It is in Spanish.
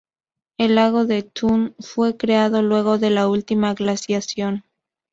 El Lago de Thun fue creado luego de la última glaciación.